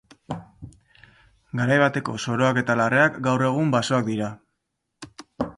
Garai bateko soroak eta larreak gaur egun basoak dira.